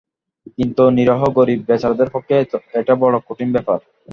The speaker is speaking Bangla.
কিন্তু নিরীহ গরীব বেচারাদের পক্ষে এটা বড় কঠিন ব্যাপার।